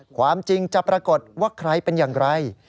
ความจริงจะปรากฏว่าใครเป็นอย่างไร